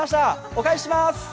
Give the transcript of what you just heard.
お返ししまーす。